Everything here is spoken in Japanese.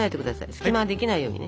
隙間ができないようにね。